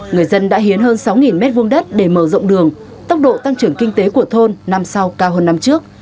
người dân đã hiến hơn sáu m hai đất để mở rộng đường tốc độ tăng trưởng kinh tế của thôn năm sau cao hơn năm trước